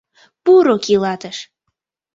Пуро килатыш!